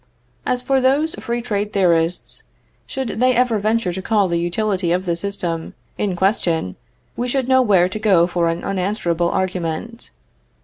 As for those free trade theorists, should they ever venture to call the utility of this system in question we should know where to go for an unanswerable argument.